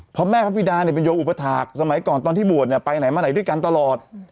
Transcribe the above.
เพราะแม่พระพิดาเนี่ยเป็นโยอุปถาคสมัยก่อนตอนที่บวชเนี่ยไปไหนมาไหนด้วยกันตลอด